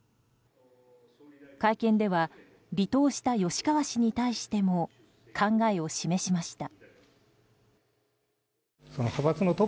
会見では離党した吉川氏に対しても考えを示しました。